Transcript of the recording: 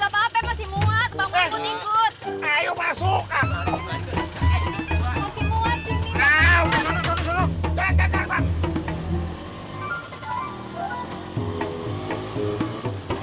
pape kagak apa apa masih muat